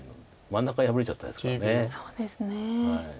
真ん中破れちゃったですから。